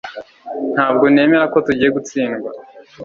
Ntabwo nemera ko tugiye gutsindwa